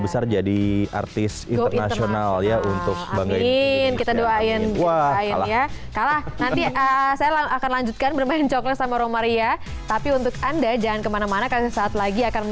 besar jadi artis internasional ya untuk bagaimana ini kita doain tuh and ya kalah nanti asal akan